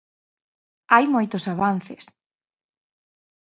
Hai moitos avances.